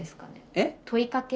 えっ？